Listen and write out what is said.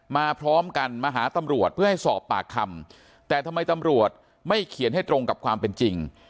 พร้อมกันมาหาตำรวจเพื่อให้สอบปากคำแต่ทำไมตำรวจไม่เขียนให้ตรงกับความเป็นจริง